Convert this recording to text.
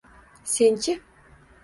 Sen-chi?